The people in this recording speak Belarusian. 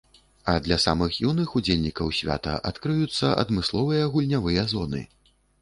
А для самых юных удзельнікаў свята адкрыюцца адмысловыя гульнявыя зоны.